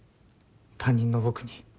他人の僕に。